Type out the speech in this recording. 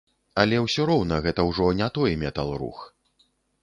Але ўсё роўна гэта ўжо не той метал-рух.